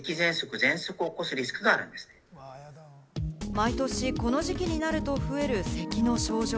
毎年この時期になると増える咳の症状。